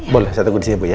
boleh saya tunggu di sini bu